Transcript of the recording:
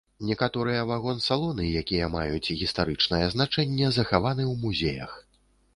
Некаторыя вагон-салоны, якія маюць гістарычнае значэнне, захаваны ў музеях.